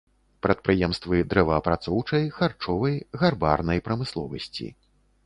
Прадпрыемствы дрэваапрацоўчай, харчовай, гарбарнай прамысловасці.